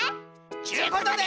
ちゅうことで。